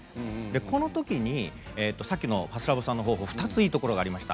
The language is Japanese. このときに、さっきのＰＡＳＳＬＡＢＯさんの方法２ついいところがありました。